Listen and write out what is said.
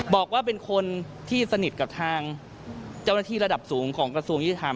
บอกว่าเป็นคนที่สนิทกับทางเจ้าหน้าที่ระดับสูงของกระทรวงยุติธรรม